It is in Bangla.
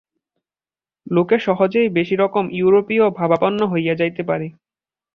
লোকে সহজেই বেশী রকম ইউরোপীয়-ভাবাপন্ন হইয়া যাইতে পারে।